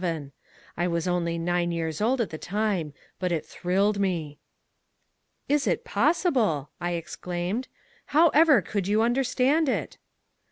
I was only nine years old at the time, but it thrilled me!" "Is it possible!" I exclaimed, "how ever could you understand it?"